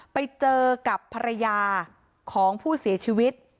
ไปเจอกับภรรยาของผู้เสียชีวิต